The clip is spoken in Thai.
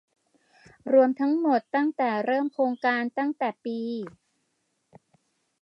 รวมทั้งหมดตั้งแต่เริ่มโครงการตั้งแต่ปี